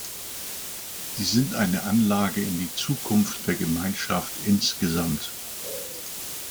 Sie sind eine Anlage in die Zukunft der Gemeinschaft insgesamt.